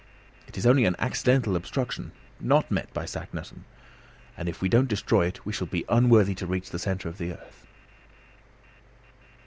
It is only an accidental obstruction, not met by Saknussemm, and if we don't destroy it we shall be unworthy to reach the centre of the earth."